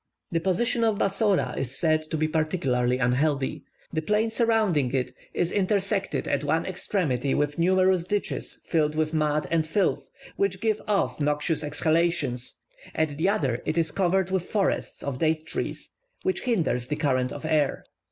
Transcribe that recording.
The position of Bassora is said to be particularly unhealthy: the plain surrounding it is intersected at one extremity with numerous ditches filled with mud and filth, which give off noxious exhalations, at the other it is covered with forests of date trees, which hinders the current of air.